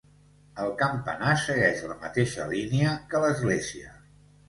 El campanar segueix la mateixa línia que l'església.